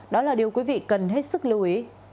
đó là điều quý vị cần hết sức lưu ý